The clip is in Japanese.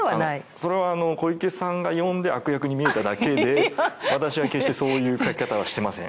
それは小池さんが読んで悪役に見えただけで私は決してそういう描き方はしてません。